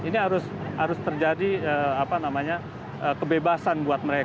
ini harus harus terjadi apa namanya kebebasan buat mereka